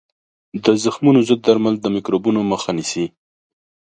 د زخمونو ضد درمل د میکروبونو مخه نیسي.